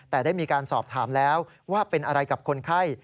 แต่ได้มีการสอบถามแล้วว่าเป็นอะไรกับคนไข้